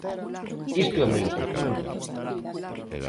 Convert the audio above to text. Isto é moi importante.